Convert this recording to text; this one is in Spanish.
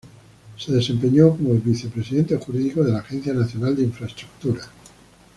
Se desempeñó como Vicepresidente Jurídico de la Agencia Nacional de Infraestructura.